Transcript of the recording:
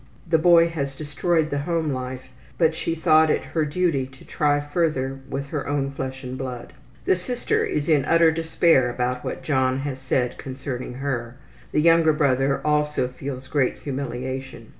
The boy has destroyed the home life, but she thought it her duty to try further with her own flesh and blood. The sister is in utter despair about what John has said concerning her. The younger brother also feels great humiliation.